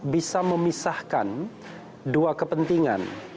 bisa memisahkan dua kepentingan